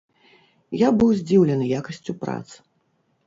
Я быў здзіўлены якасцю прац!